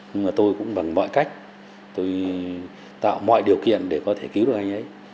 nhưng mà tôi cũng bằng mọi cách tôi tạo mọi điều kiện để có thể cứu được anh ấy